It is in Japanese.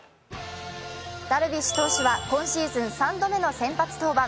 ダルビッシュ投手は今シーズン３度目の先発登板。